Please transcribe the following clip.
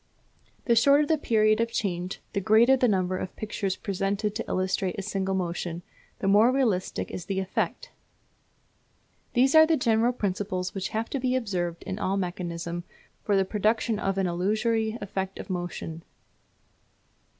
The shorter the period of change, and the greater the number of pictures presented to illustrate a single motion, the more realistic is the effect. These are the general principles which have to be observed in all mechanism for the production of an illusory effect of motion.